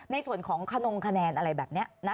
ในส่วนของขนงคะแนนอะไรแบบนี้นะ